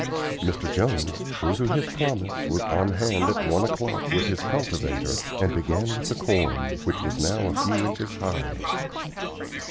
Mr. Jones, true to his promise, was on hand at one o'clock with his cultivator, and began with the corn, which was now a few inches high.